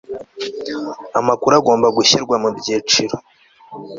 amakuru agomba gushyirwa mu byiciro